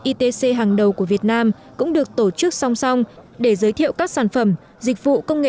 itc hàng đầu của việt nam cũng được tổ chức song song để giới thiệu các sản phẩm dịch vụ công nghệ